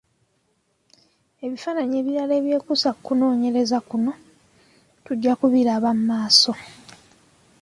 Ebifaananyi ebirala ebyekuusa ku kunoonyereza kuno tujja kubiraba mu maaso.